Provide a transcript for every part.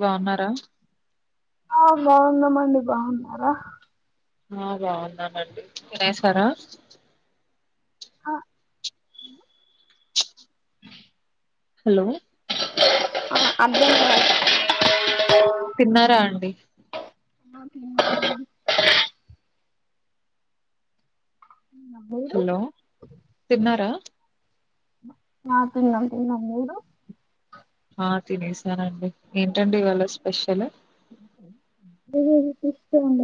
బాగున్నారా ఆ బాగున్నామండి బాగున్నారా ఆ బాగున్నామండి తినేసారా ఆ హలో అభే కూ తిన్నారా అండి అ [unintelligible] మీరు హలో తిన్నారా ఆ తిన్నాం తిన్నాం మీరు ఆ తినేస నండి ఏంటండి ఇవాళ స్పెషల్ ది ఇష్టం ఉండ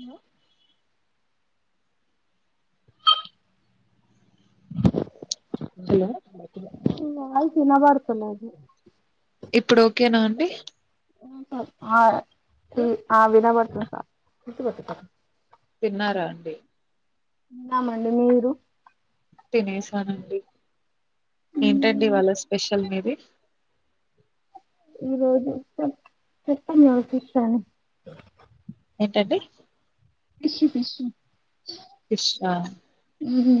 హలో హలో మీ వాయిస్ వినబడతలేదు ఇప్పుడు ఓకేనా అండి ఆ ఇ అ వినపడ్తుంది సార్ తిన్నారా అండి తిన్నా మండి మీరు తినేసానుండి ఏంటండి ఇవాళ స్పెషల్ మీది ఈ రోజు చె చెప్పండి ఆలకిస్తాను ఏంటండి ఫిష్షు ఫిష్షు ఫిష్ ఆ ఊహూ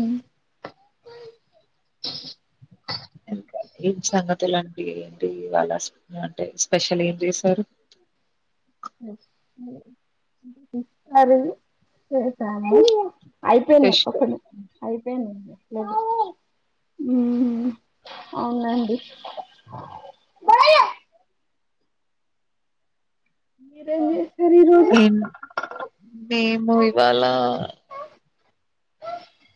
ఇంకా ఏం సంగతులండి ఏంటి ఇవాళ్ళ స్పెషల్ అంటే స్పెషల్ ఏం చేశారు అరస [unintelligible] అయిపోయింది ఫిష్ ఒకని అయిపోయింది హ్మ్ అవునండి మీరేం చేశారు ఈ రోజు హ్మ్ మేము ఇవాళ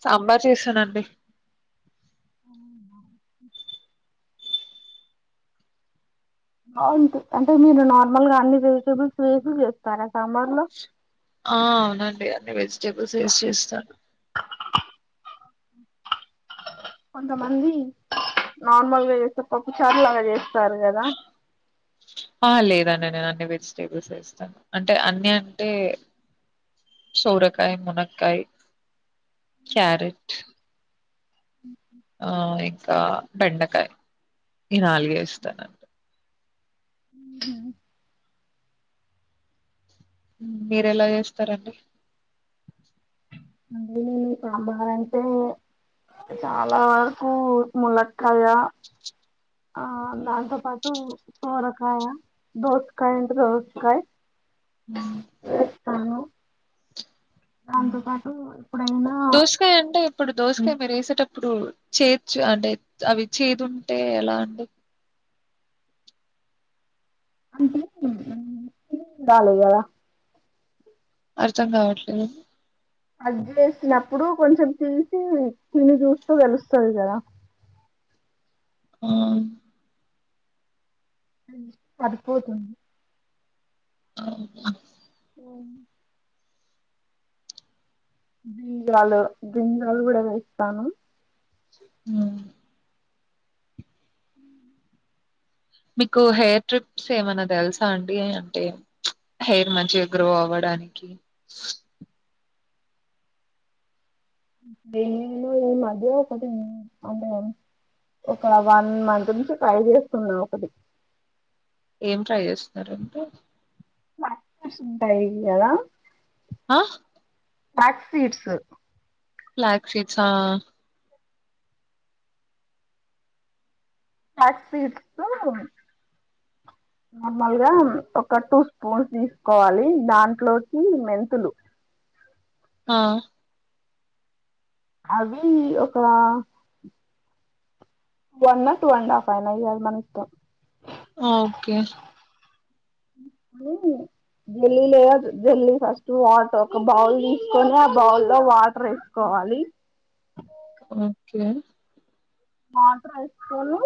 సాంబార్ చేసానండి అ అంటే మీరు నార్మల్ గా అన్ని వెజిటబుల్స్ వేసి చేస్తార ఆ అవునండి అన్ని వెజిటేబుల్స్ వేసి చేస్తాను కొంతమంది నార్మల్గా చేస్తే పప్పు చారులు అలా చేస్ సారు కదా ఆ! లేదండి. నేను అన్ని వెజిటేబుల్స్ వేస్తాను అంటే అన్ని అంటే సోరకాయ, మునక్కాయ, క్యారెట్ ఆ ఇంకా బెండకాయ ఈ నాలుగే యేస్తానండి మీరు ఎలా చేస్తారండి సాంబారంటే చాలా వరకు ముల కయా ఆ దాంతో పాటు సోరకాయ దోసకాయ ఉంటే దోసకాయ హ్మ్ అవును ఎప్పుడైనా దోసకాయ అంటే ఇప్పుడు దోసకాయ మీరు వేసేటప్పుడు చే అంటే అవి చేదు ఉంటే ఎలా అండి డాలి కదా అర్థం కావట్లేదు అది చేసినప్పుడు కొంచెం తీసి తిని చూస్తే తెలుస్తది కదా ఆ పదిపోతుంది అవునా అవు బీజలు బింగాలు కూడా వేస్తాను హ మీకు హెయిర్ ట్రిప్స్ ఏమన్నా తెల్సా అండి అంటే హెయిర్ మంచిగా గ్రో అవ్వడానికి దేనిమీనో ఈ మద్య ఒకటి అంటే ఒక వన్ మంత్ నుంచి ట్రై చేస్తున్నా ఒకటి ఏం ట్రై చేస్తున్నారండి మ్యాకర్స్ ఉంటాయికద ఆ ఫ్లాక్సీడ్స్ ఫ్లాక్ సీడ్సా ఆ ఫ్లాక్ సీడ్సూ నార్మల్గా ఒక టూ స్పూన్స్ తీసుకోవాలి దాంట్లోకి మెంతులు ఆ అవి ఒకా వన్ టూ అండ్ హఫ్ అయినా ఏయాలి మన ఇష్టం ఓకే జల్లి లేద జల్లి ఫస్ట్ వాటర్ ఒక బౌల్ తీసుకొని ఆ బౌల్ లో వాటర్ వేసుకోవాలి ఓకే వాటర్ వేసుకొని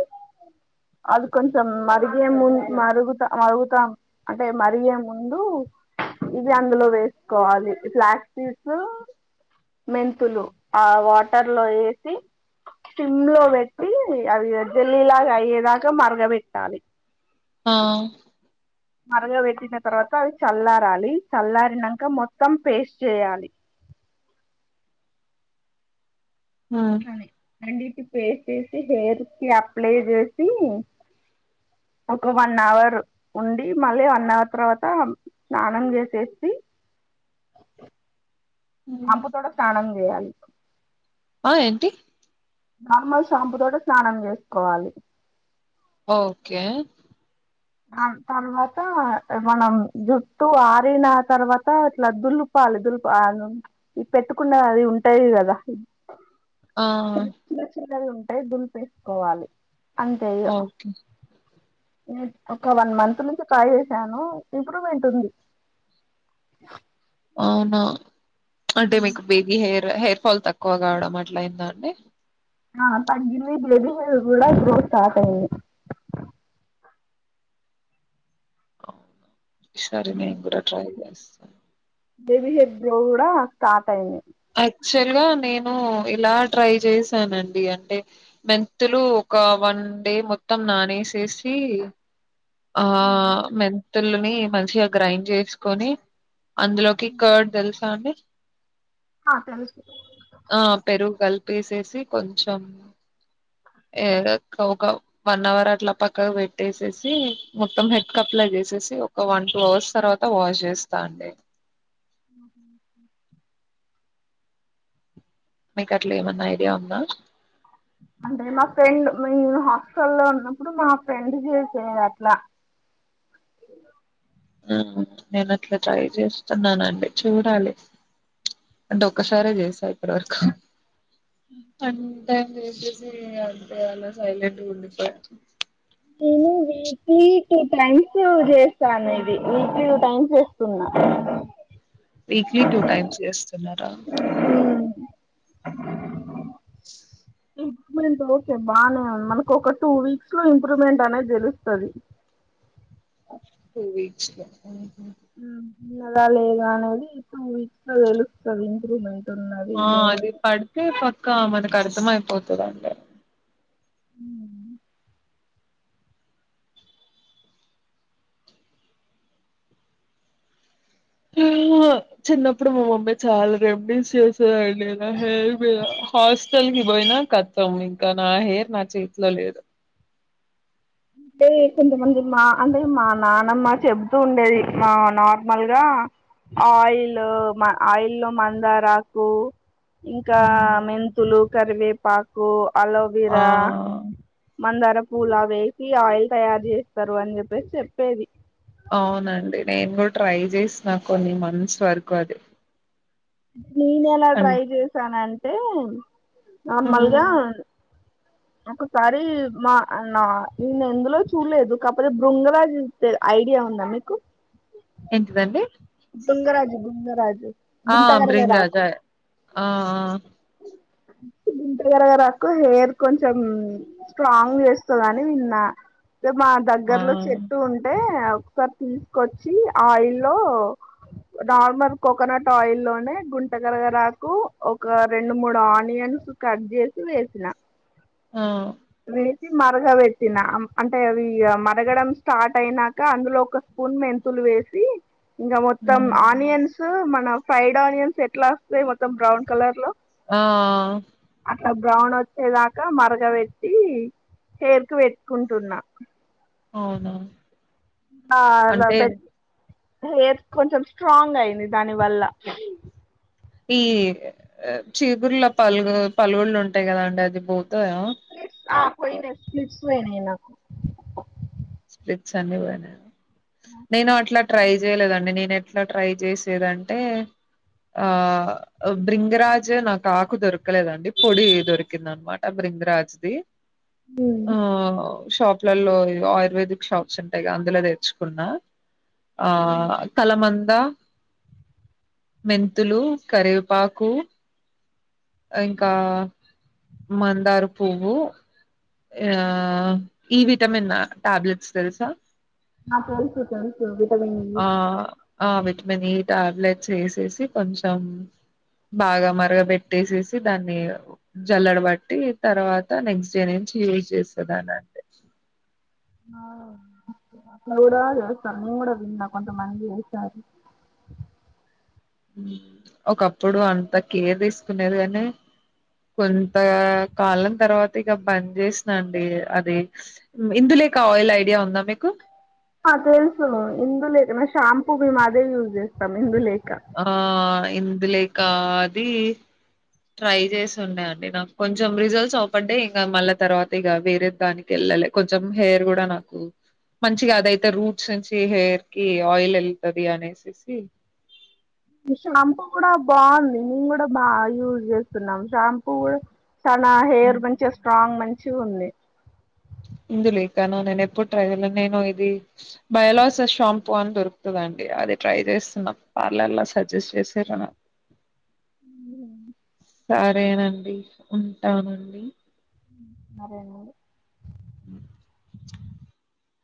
అది కొంచెం మరిగే ముందు మరుగుతా మరుగుతాం అంటే మరిగే ముందు ఇది అందులో వేసుకోవాలి ఫ్లాక్ సీడ్స్ మెంతులు ఆ వాటర్ లో వేసి సిమ్ లో పెట్టి అవి జల్లీలాగా అయ్యేదాకా మరగబెట్టాలి ఆ మరగ పెట్టిన తర్వాత అవి చల్లారాలి చల్లారినక మొత్తం పేస్ట్ చేయాలి హ అండి ఇది పేస్ట్ చేసి హెయిర్ కి అప్లై చేసి ఒక వన్ అవర్ ఉండి మళ్ళీ వన్ అవర్ తర్వాత స్నానం చేసేసి హ్మ్. షాంపూ తోటే స్నానం చేయాలి ఆ ఏంటి నార్మల్ షాంపు తోటే స్నానం చేసుకోవాలి ఓకే తర్వాతా మనం జుట్టు ఆరిన తర్వాత ఇట్లా దులుపాలి దులిపా అది ఉ పెట్టుకున్న అది ఉంటాది కదా ఆ చిన్న చిన్న చిన్నవి ఉం టె దులిపేసుకోవాలి అంతే అయ్యో ఓకే నే ఒక వన్ మంత్ నుంచి టై చేసాను ఇంప్రూవ్మెంట్ ఉంది అవున అంటే మీకు బేబి హెయిర్ హెయిర్ ఫాల్ తక్ ఎక్కువ కావడం అట్లయింద మే ఆహా పైది ఇరువైపుల కూడా గ్రోత్ స్టార్ట్ అయి సరే నేను కూడా ట్రై చేస్తా చ బేబి హెయిర్ గ్రో కూడా స్టార్ట్ అయింది. అక్చువల్ గా నేను ఇలా ట్రై చేశానండి అంటే మెంతులు ఒక వన్ డే మొత్తం నానేసేసి ఆ మెన్ మెంతులనీ మంచిగా గ్రైండ్ జేసి తీసుకొని అందులోకి కర్డ్ తెలుసా అండి. హ తెలుసు తిసేసి కొంచెం ఎ ఒక వన్ అవర్ అట్లా పక్కకు పెట్టేసేసి మొత్తం హెడ్క్ అప్లై చేసేసి ఒక వన్ టూ అవర్స్ తర్వాత వాష్ చేస్తా అండి మీకు అట్ల ఏమన్నా ఐడియా ఉందా అంటే మా ఫ్రెండ్ మేము హాస్టల్ లో ఉన్నప్పుడు మా ఫ్రెండ్ చేసేది అట్లా. ఉ నేను అట్లా ట్రై చేస్తున్నానండి చూడాలి అంటే ఒకసారే చేసా ఎవరికో అన్ టైం చేసేసి అంతే అలా సైలెంట్గా ఉండిపోయాను నేను వీక్లీ టూ టైమ్స్ చేస్తాను ఇది వీక్లీ టూ టైమ్సేస్ వీక్లీ టూ టైమ్స్ చేస్తున్నారు టం ఇంప్రూవ్మెంట్ ఓకే బానే ఉంది. మనకు ఒక టూ వీక్స్ లో ఇంప్రూవ్మెంట్ అనేది దెలుస్తది. టూ వీక్స్ లో ఉమ్ ఉమ్ ఇల్లదా లేదా అనేది టూ వీక్స్ లో తెలుస్తుంది ఇంప్రూమెంట్ ఆ అది పడితే పక్కా మనకు కడతాంఅయిపోతదంట చిన్నప్పుడు మా బమ్మయి చాలా రెమిడీస్ చేసేద లే నా హెయిర్ మీద హాస్టల్ కి పోయినా కతం ఇంకా నా హెయిర్ నా చేతిలో లేదు అంటే కొంతమంది మా అంటే మా నానమ్మ చెబుతూ ఉండేది. మా నార్మల్గా ఆయిల్ ఆయిల్లో మందారాకు ఇంకా హ్మ్ మెంతులు కరివేపాకు ఆ అలోవెరా మందారా పూలవే ఈ ఆయిల్ తయారు చేస్తరు అని చెప్పేసి చెప్పేది అవునండి నేన్ గూడా ట్రై చేసిన కొన్ని మంత్స్ వరకు అది నేను ఎలా అన్ ట్రై చేశాన అం ఏమ్ నార్మల్గా హ్మ్ ఒకసారి మా నా నేనెందులో చూడలేదు కాకపోతే బృంగరాజు ఐడియా ఉందా మీకు ఎంటిదండి బుంగరాజు బుంగరాజు ఆ బ్రింగ్ రాజా ఆ ఆ ఇంటగరగ రాకు హెయిర్ కొంచెం స్ట్రాంగ్ చేస్తుందని విన్నా రేప్ మా ఆ ఆ దగ్గర్లో చెట్టు ఉంటే ఒకసారి తీసుకొచ్చి ఆయిల్లో నార్మల్ కోకోనట్ ఆయిల్ లోనే గుంటగారగలాకు ఒక రెండు మూడు ఆనియన్స్ కట్ చేసి వేసిన. ఆ మరగబెడిన అంటే అవి మరగడం స్టార్ట్ అయినాక అందులో ఒక స్పూన్ మెంతులు వేసి ఇంగ మొత్తం హ్మ్ ఆనియన్స్ మన ఫ్రైడ్ ఆనియన్స్ ఎట్లా వస్తాయి, మొత్తం బ్రౌన్ కలర్ లో ఆ బ్రౌన్ వచ్చేదాకా మరగ బెట్టి హెయిర్ కి పెట్టుకుంటున్న అవునా ఆ అల అంటే పెట్ హెయిర్ కొంచెం స్ట్రాంగ్ అయింది దాని వల్ల ఈ చిగుర్ల పల్గు పలుగుళ్ళు ఉంటాయి కదా అండి అది బోదు ఆ పొయినయ్ స్ల్పిట్స్ వోయినయ్ నాకు స్ల్పిట్స్ అన్ని వోయినయ నేను అట్లా ట్రై చేయలేదండి నేను ఎట్ ఇట్లా ట్రై చేసేదంటే ఆ బ్రింగరాజ్ నాకు ఆకు దొరకలేదండి పొడి దొరికిందన్నమాట బ్రింగరాజ్ది ఆవ్ షాప్లల్లో ఇవ్ ఆ యుర్వేదిక్ షాప్స్ ఉంటాయి గా అందులో తెచ్చుకున్న. ఆ కలమంద మెంతులు, కరివేపాకు ఇంకా ఆ మందార పువ్వు ఆ ఈ విటమిన్ టాబ్లెట్స్ తెలుసా. ఆ తెలుసు తెలుసు విటమిన్ఇ ఆ ఆ విటమిన్ ఈ టాబ్లెట్స్ ఏసేసి కొంచెం బాగా మరగబెటి ట్టేసేసి దాన్ని జల్లడబట్టి తర్వాత నెక్స్ట్ డే నుంచి యూజ్ చేసే దాన్ని అండి ఆ అట్ల గూడ చేస్తారు నేను గూడ విన్న కొంత మంది చేస్తారు ఒకప్పుడు అంత కేర్ తీసుకునేది కానీ కొంత కాలం తర్వాత ఇక బంద్ చేసిన అండి అది ఇందులేక ఆయిల్ ఐడియా ఉందా మీకు తెలుసు ఇందులేకన షాంపూ మేము అదే యూజ్ చేస్తాం ఇందులేక ఆ ఇందులే కా ఆది ట్రై చేసి ఉండే అండి నాకు కొంచెం రిజల్ట్స్ అవుపడ్డే ఇంకా మళ్ళా తర్వాత ఇక వేరే దానికి వెళ్ళాలి కొంచెం హెయిర్ కూడా నాకు మంచిగా అదయితే రూట్స్ నుంచి హెయిర్ కి ఆయిల్ వెళ్తుంది అనేసేసి ఈ షాంపూ కూడా బాగుంది మేము కూడా బాగా యూజ్ చేస్తున్నాం షాంపూ కూడా చాలా హ్మ్. హెయిర్ మంచిగా స్ట్రాంగ్ మంచి చిగా ఉంది ఇందు లేకనా నేను ఎప్పుడు ట్రై చేలేను నేను ఇది బయలాజ షాంపు అని దొరుకుతుదండి అది ట్రై చేస్తున్నాం పార్లర్ లో సజెస్ట్ చేసిర్రు ఉ సరేనండి ఉంటానండి సరేనండి హ్